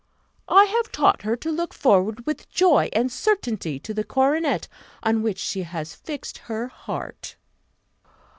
I have taught her to look forward with joy and certainty to the coronet, on which she has fixed her heart.